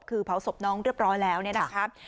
คือเผาศพน้องเรียบร้อยแล้วเนี่ยนะครับ